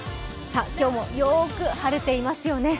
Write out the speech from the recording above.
今日もよく晴れていますよね。